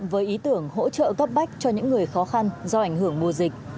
với ý tưởng hỗ trợ cấp bách cho những người khó khăn do ảnh hưởng mùa dịch